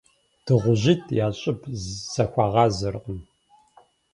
ДыгъужьитӀ я щӀыб зэхуагъазэркъым.